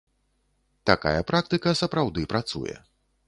Такая практыка сапраўды працуе.